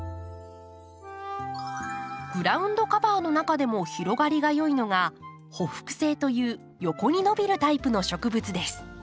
グラウンドカバーの中でも広がりが良いのが「ほふく性」という横に伸びるタイプの植物です。